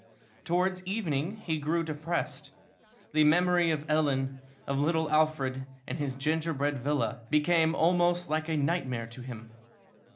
Towards evening he grew depressed. The memory of Ellen, of little Alfred, and his gingerbread villa, became almost like a nightmare to him.